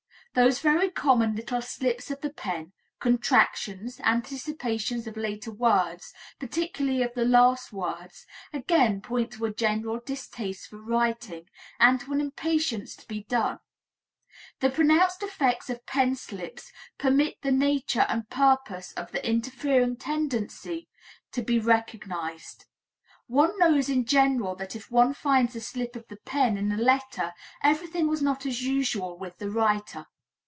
Those very common little slips of the pen contractions, anticipations of later words, particularly of the last words again point to a general distaste for writing, and to an impatience to be done; the pronounced effects of pen slips permit the nature and purpose of the interfering tendency to be recognized. One knows in general that if one finds a slip of the pen in a letter everything was not as usual with the writer.